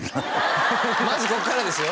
フフフまずこっからですよ